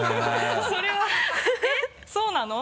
それはえっそうなの？